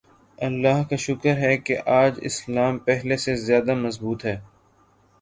اللہ کا شکر ہے کہ آج اسلام پہلے سے زیادہ مضبوط ہے۔